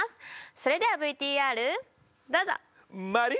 それではＶＴＲどうぞ！